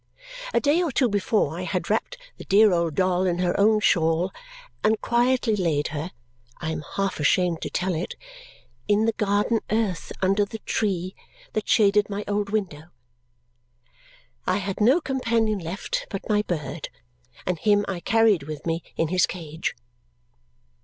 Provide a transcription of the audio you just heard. A day or two before, I had wrapped the dear old doll in her own shawl and quietly laid her I am half ashamed to tell it in the garden earth under the tree that shaded my old window. I had no companion left but my bird, and him I carried with me in his cage.